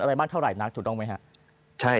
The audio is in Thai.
อะไรมากเท่าไหร่นักถูกต้องไหมครับ